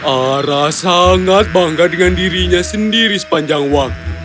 ara sangat bangga dengan dirinya sendiri sepanjang waktu